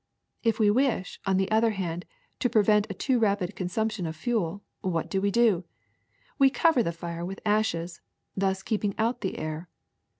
If we wish, on the other hand, to pre vent a too rapid consumption of fuel, what do we do! We cover the fire with ashes, thus keeping out the air.